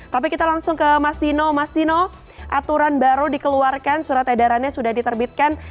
tapi kita langsung ke mastino mastino aturan baru dikeluarkan surat edarannya sudah diterbitkan